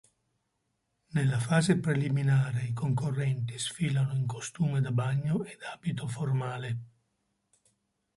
Nella fase preliminare i concorrenti sfilano in costume da bagno ed abito formale.